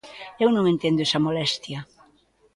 Eu non entendo esa molestia.